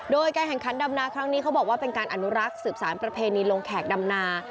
โดยการแข่งขันดำนาครั้งนี้เขาบอกว่าเป็นการอนุรักษ์สืบสารประเพณีลงแขกดำนา